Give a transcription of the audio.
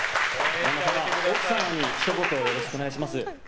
奥様にひと言よろしくお願いします。